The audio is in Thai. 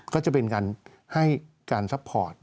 ก็จะเป็นการให้การซัพพอร์ต